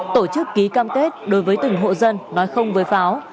tổ chức ký cam kết đối với từng hộ dân nói không với pháo